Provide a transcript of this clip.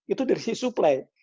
itu dari si supply